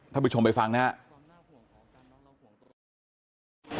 ท่านผู้ชมไปฟังนะครับ